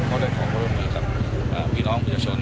ก็ได้พรบรวมวิกับพี่น้องพยาชน